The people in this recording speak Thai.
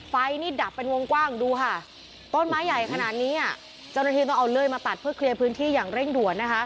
ไฟนี่ดับเป็นวงกว้างดูค่ะต้นไม้ใหญ่ขนาดนี้เจ้าหน้าที่ต้องเอาเลื่อยมาตัดเพื่อเคลียร์พื้นที่อย่างเร่งด่วนนะคะ